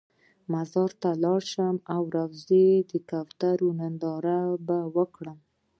چې مزار ته به لاړ شم او د روضې د کوترو ننداره به وکړم.